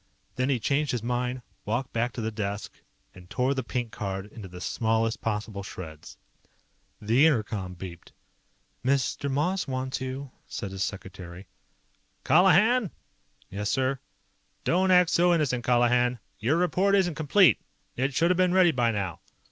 Then he changed his mind, walked back to the desk, and tore the pink card into the smallest possible shreds. The inter com beeped. "Mr. Moss wants you," said his secretary. "Colihan!" "Yes, sir?" "Don't act so innocent, Colihan. Your report isn't complete. It should have been ready by now."